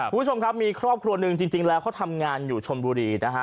คุณผู้ชมครับมีครอบครัวหนึ่งจริงแล้วเขาทำงานอยู่ชนบุรีนะฮะ